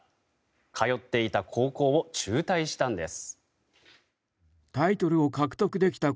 通っていた高校を中退したんです。